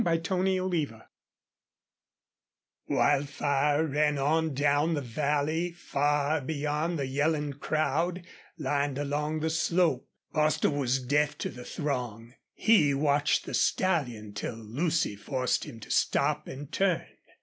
CHAPTER XIII Wildfire ran on down the valley far beyond the yelling crowd lined along the slope. Bostil was deaf to the throng; he watched the stallion till Lucy forced him to stop and turn.